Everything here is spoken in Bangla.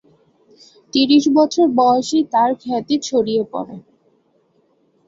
তিরিশ বৎসর বয়সেই তার খ্যাতি ছড়িয়ে পড়ে।